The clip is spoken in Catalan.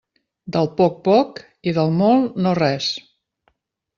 Del poc, poc, i del molt, no res.